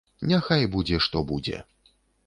Няхай будзе што будзе!